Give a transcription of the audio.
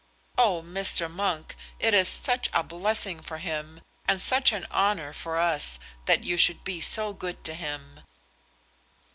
"Oh, Mr. Monk, it is such a blessing for him, and such an honour for us, that you should be so good to him."